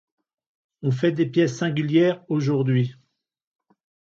On fait des pièces singulières, aujourd'hui.